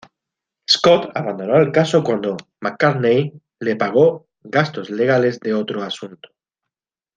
Scott abandonó el caso cuando McCartney le pagó gastos legales de otro asunto.